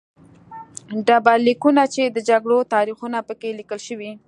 ډبرلیکونه چې د جګړو تاریخونه په کې لیکل شوي